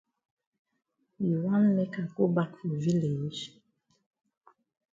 You wan make I go bak for village?